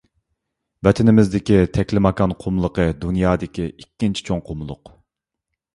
ۋەتىنىمىزدىكى تەكلىماكان قۇملۇقى — دۇنيادىكى ئىككىنچى چوڭ قۇملۇق.